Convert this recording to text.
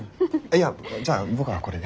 いやじゃあ僕はこれで。